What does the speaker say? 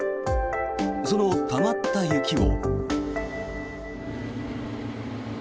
そのたまった雪を。